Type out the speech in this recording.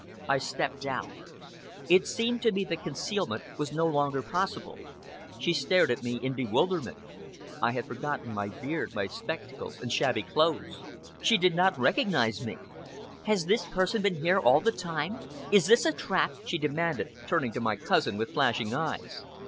I stepped out. It seemed to me that concealment was no longer possible. She staged at me in bewilderment. I had forgotten my beard, my spectacles and shabby clothes. She did not recognize me! "Has this person been here all the time? Is this a trap?" she demanded, turning to my cousin with flashing eyes.